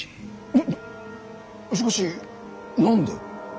えっしかし何で。